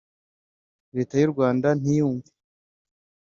Leta y’u Rwanda ntiyumve